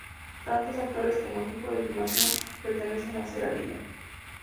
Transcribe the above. Tanto actores como equipo de filmación pertenecen a Serradilla.